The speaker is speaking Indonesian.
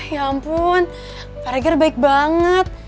ya ampun paregar baik banget